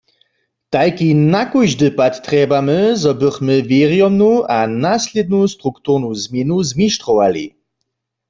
Tajki na kóždy pad trjebamy, zo bychmy wěrjomnu a naslědnu strukturnu změnu zmištrowali.